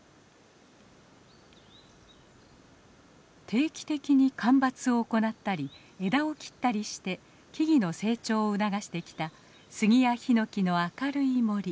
定期的に間伐を行ったり枝を切ったりして木々の成長を促してきたスギやヒノキの明るい森。